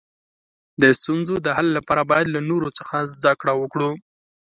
د ستونزو د حل لپاره باید له نورو څخه زده کړه وکړو.